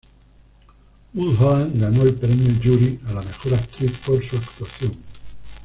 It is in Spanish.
Mulholland ganó el Premio Jury a la mejor actriz por su actuación.